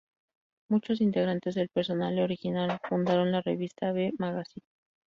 Muchos integrantes del personal original fundaron la revista "B Magazine".